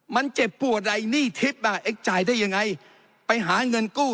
มันเจ็บปวดใดหนี้ทิศอ่ะเอ๊ะจ่ายได้ยังไงไปหาเงินกู้